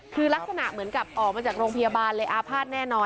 คือลักษณะเหมือนกับออกมาจากโรงพยาบาลเลยอาภาษณ์แน่นอน